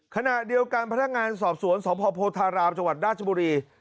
ขณะเดียวกันพนักงานสอบสวนสพพทราบจดาชบุรี